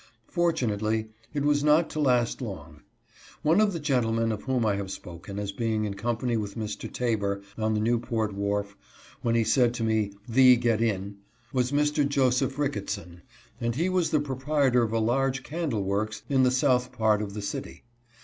Fortunately it was not to last long. One of the gentlemen of whom I have spoken as being in company with Mr. Taber on the Newport wharf when he said to me, " Thee get in," was Mr. Joseph Ricketson, and he was the pro prietor of a large candle works in the south part of 262 HEAVY WORK. the city.